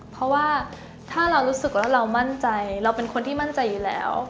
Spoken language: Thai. เพราะว่าเรามั่นใจเราเป็นคนที่มั่นใจอยู่แล้ว